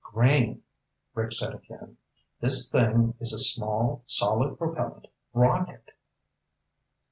"Grain," Rick said again. "This thing is a small solid propellant rocket!"